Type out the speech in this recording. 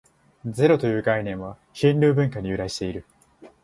ゼロという概念は、ヒンドゥー文化に由来している。